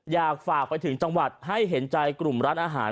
อยากฝากไปถึงจังหวัดให้เห็นใจกลุ่มร้านอาหาร